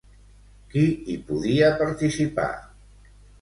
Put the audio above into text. Qui hi podia participar?